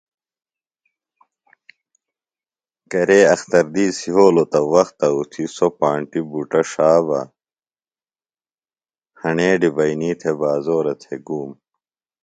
کرے اختر دِیس یھولوۡ تہ وختہ اُتھیۡ سوۡ پانٹیۡ بُٹہ ݜا بہ ہݨے ڈِبئینی تھےۡ بازورہ تھےۡ گُوم۔